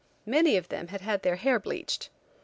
Many of them had their hair bleached.